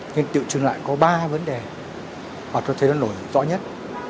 nhưng tiệu chứng lại có ba vấn đề hoặc tôi thấy nó nổi rõ nhất